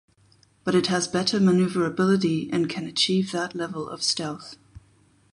But it has better maneuverability and can achieve that level of stealth.